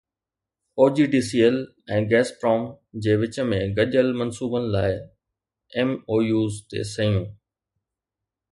OGDCL ۽ Gazprom جي وچ ۾ گڏيل منصوبن لاءِ ايم او يوز تي صحيحون